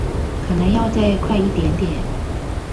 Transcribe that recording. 可能要再快一點點